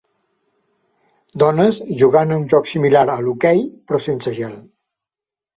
Dones jugant a un joc similar a l'hoquei, però sense gel.